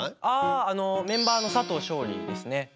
ああのメンバーの佐藤勝利ですね。